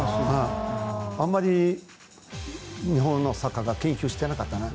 あんまり日本のサッカーを研究していなかったかな。